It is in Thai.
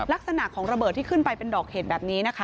ลักษณะของระเบิดที่ขึ้นไปเป็นดอกเห็ดแบบนี้นะคะ